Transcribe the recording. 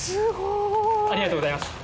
ありがとうございます。